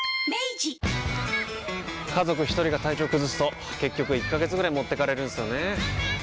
家族一人が体調崩すと結局１ヶ月ぐらい持ってかれるんすよねー。